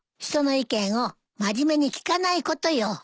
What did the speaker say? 人の意見を真面目に聞かないことよ。